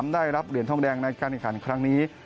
ได้รับเหรียญทองแดงในการแข่งขันครั้งนี้